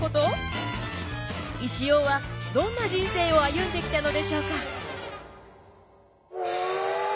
一葉はどんな人生を歩んできたのでしょうか？